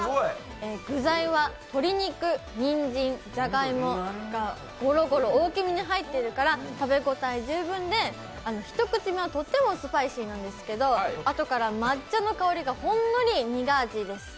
具材は鶏肉、にんじん、じゃがいもがゴロゴロ、大きめに入っているから食べ応え十分で一口目はとってもスパイシーなんですけどあとから抹茶の香りがほんのり苦味です。